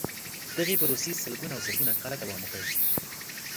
دغې پروسې سلګونه او زرګونه کاله دوام وکړ.